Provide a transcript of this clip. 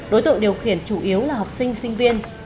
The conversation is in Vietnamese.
đối tượng điều khiển chủ yếu là học sinh sinh viên